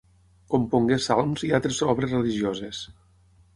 Compongué salms i altres obres religioses.